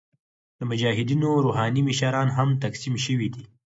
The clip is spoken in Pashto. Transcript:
د مجاهدینو روحاني مشران هم تقسیم شوي دي.